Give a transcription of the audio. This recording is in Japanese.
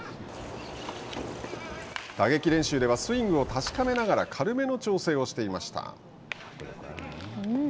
打撃練習ではスイングを確かめながら軽めの調整をしていました。